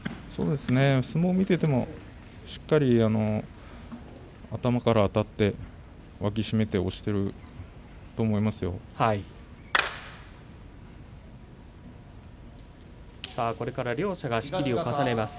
相撲を見ていてもしっかり頭からあたって脇を締めて押していると思いますよ。両者が仕切りを重ねます。